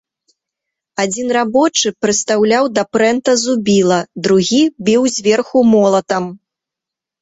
Адзін рабочы прыстаўляў да прэнта зубіла, другі біў зверху молатам.